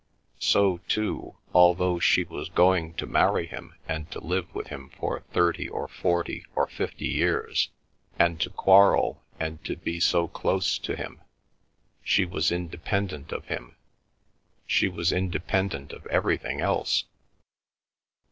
So too, although she was going to marry him and to live with him for thirty, or forty, or fifty years, and to quarrel, and to be so close to him, she was independent of him; she was independent of everything else.